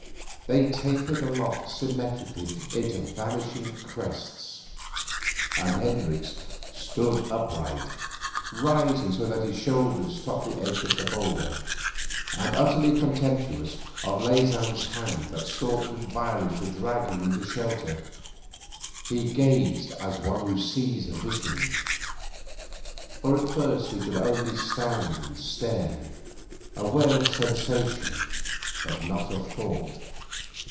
They tapered aloft symmetrically into vanishing crests. And Hendricks stood upright. Rising so that his shoulders topped the edge of the boulder, and utterly contemptuous of Leysin's hand that sought with violence to drag him into shelter, he gazed as one who sees a vision. For at first he could only stand and stare, aware of sensation but not of thought.